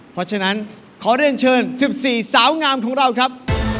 เพราะฉะนั้นขอเรียนเชิญ๑๔สาวงามของเราครับ